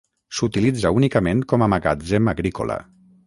S'utilitza únicament com a magatzem agrícola.